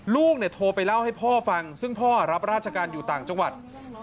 ลูกโทรไปเล่าให้พ่อฟังซึ่งพ่อรับราชการอยู่ต่างจังหวัด